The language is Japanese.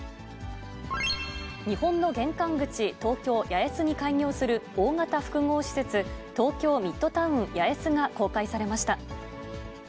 日本の玄関口、東京・八重洲に開業する大型複合施設、東京ミッドタウン八重洲が公開されました。